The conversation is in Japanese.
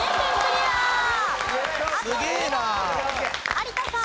有田さん。